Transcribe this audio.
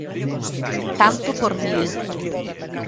Tanto por mil.